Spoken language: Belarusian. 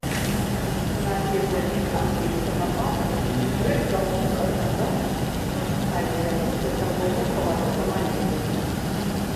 Наведвальнік англійскага парку рэдка мог прадказаць, што чакае яго за чарговым паваротам алеі.